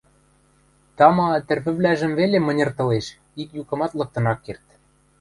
тама, тӹрвӹвлӓжӹм веле мыньыртылеш, ик юкымат лыктын ак керд...